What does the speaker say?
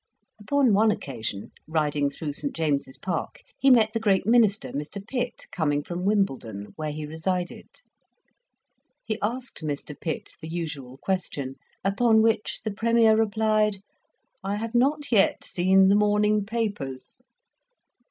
Upon one occasion, riding through St. James's Park, he met the great Minister, Mr. Pitt, coming from Wimbledon, where he resided. He asked Mr. Pitt the usual question, upon which the Premier replied, "I have not yet seen the morning papers."